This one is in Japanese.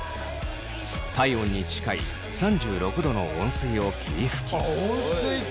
体温に近い３６度の温水を霧吹き。